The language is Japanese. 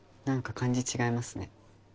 なんか感じ違いますね。